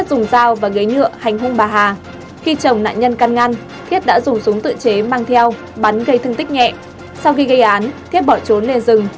sau khi gây án thiết bỏ trốn lên rừng